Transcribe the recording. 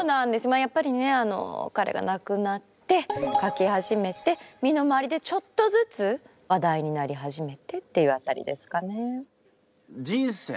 まあやっぱりねかれが亡くなって書き始めて身の回りでちょっとずつ話題になり始めてっていう辺りですかね。